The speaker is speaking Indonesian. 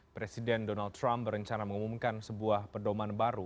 presiden donald trump berencana mengumumkan sebuah pedoman baru